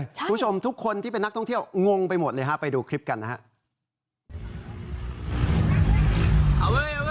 คุณผู้ชมทุกคนที่เป็นนักท่องเที่ยวงงไปหมดเลยฮะไปดูคลิปกันนะครับ